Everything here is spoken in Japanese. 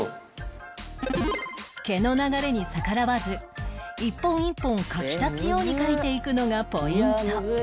毛の流れに逆らわず一本一本を描き足すように描いていくのがポイント